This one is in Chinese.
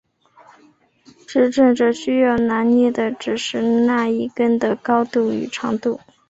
执政者需要拿捏的只是那一横的高度与长度。